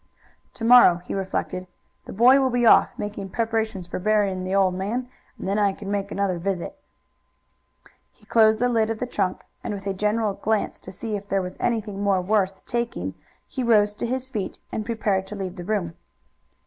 "To morrow," he reflected, "the boy will be off, making preparations for buryin' the old man, and then I can make another visit." He closed the lid of the trunk, and with a general glance to see if there was anything more worth taking he rose to his feet and prepared to leave the room.